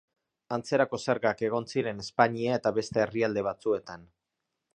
Antzerako zergak egon ziren Espainia eta beste herrialde batzuetan.